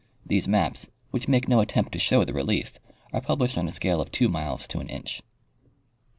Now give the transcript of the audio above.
These maps, which make no attempt to show the rehef, are published on a scale of 2 miles to an inch.